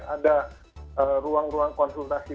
ada ruang ruang konsultasi